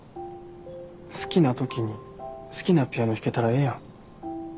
好きなときに好きなピアノ弾けたらええやん